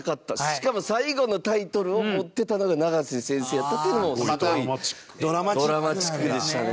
しかも最後のタイトルを持ってたのが永瀬先生やったっていうのもすごいドラマチックでしたね。